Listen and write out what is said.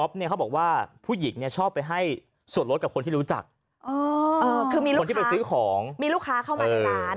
มีลูกค้าเข้ามานาน